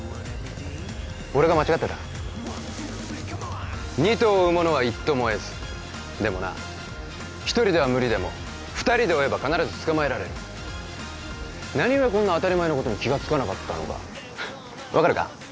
俺が間違ってた二兎を追う者は一兎をも得ずでもな一人では無理でも二人で追えば必ず捕まえられるなにゆえこんな当たり前のことに気がつかなかったのか分かるか？